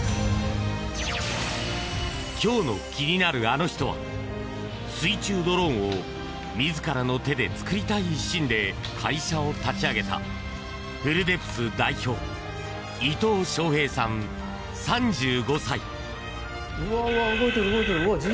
今日の気になるアノ人は水中ドローンを自らの手で作りたい一心で会社を立ち上げたＦｕｌｌＤｅｐｔｈ代表伊藤昌平さん、３５歳。